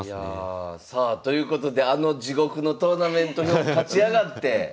さあということであの地獄のトーナメント表勝ち上がって。